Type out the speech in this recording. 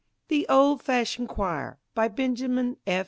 THE OLD FASHIONED CHOIR BY BENJAMIN F.